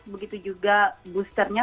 begitu juga boosternya